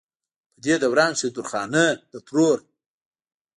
پۀ دې دوران کښې د درخانۍ د ترور